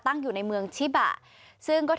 ไม่ขาวใช่มั้ยครับ